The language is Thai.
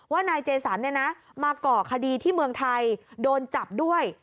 นายเจสันมาก่อคดีที่เมืองไทยโดนจับด้วย